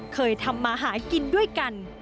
เคยทำมาหากินด้วยกัน